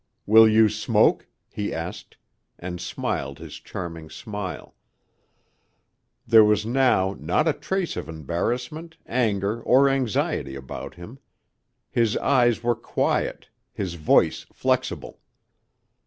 "Will you smoke?" he asked, and smiled his charming smile. There was now not a trace of embarrassment, anger, or anxiety about him. His eyes were quiet, his voice flexible.